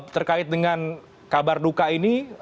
terkait dengan kabar duka ini